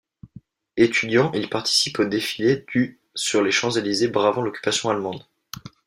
Étudiant, il participe au défilé du sur les Champs-Élysées bravant l'occupation allemande.